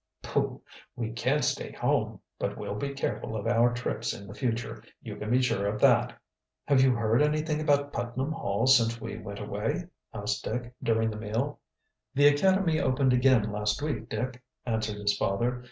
"Pooh! We can't stay home. But we'll be careful of our trips in the future, you can be sure of that." "Have you heard anything about Putnam Hall since we went away?" asked Dick, during the meal. "The academy opened again last week, Dick," answered his father.